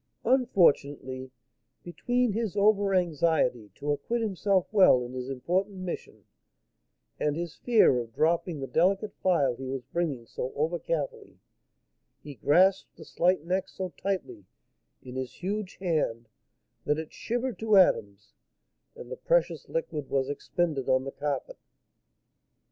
Unfortunately, between his overanxiety to acquit himself well in his important mission, and his fear of dropping the delicate phial he was bringing so overcarefully, he grasped the slight neck so tightly in his huge hand that it shivered to atoms, and the precious liquid was expended on the carpet.